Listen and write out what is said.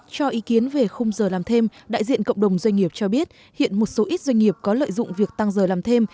cho ý kiến về khung giờ làm thêm đại diện cộng đồng doanh nghiệp cho biết hiện một số ít doanh nghiệp có lợi dụng việc tăng giờ làm thêm